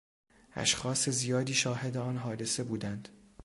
اشخاص زیادی شاهد آن حادثه بودند.